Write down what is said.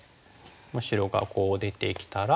白がこう出てきたら。